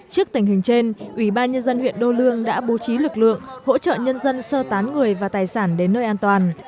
trước tình hình trên ủy ban nhân dân huyện đô lương đã bố trí lực lượng hỗ trợ nhân dân sơ tán người và tài sản đến nơi an toàn